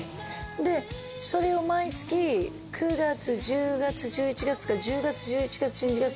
でそれを毎月９月１０月１１月か１０月１１月１２月と３回やったら。